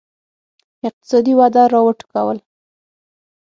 اقتصادي وده را وټوکول.